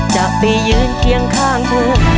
ขอบคุณครับ